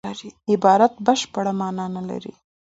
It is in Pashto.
عبارت بشپړه مانا نه لري.